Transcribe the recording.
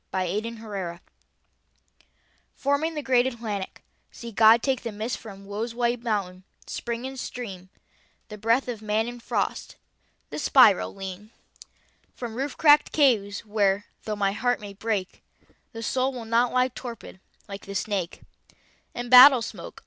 THE ATLANTIC Forming the great Atlantic, see God take The mist from woe's white mountain, spring and stream, The breath of man in frost, the spiral lean From roof cracked caves where, though the heart may break, The soul will not lie torpid, like the snake, And battle smoke.